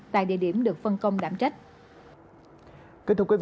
tại địa điểm được phân công đảm trách